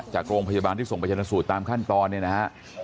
จากโรงพยาบาลที่ส่งไปชนะสูตรตามขั้นตอนเนี่ยนะฮะ